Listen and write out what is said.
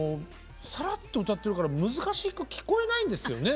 さらっと歌ってるから難しく聞こえないんですよね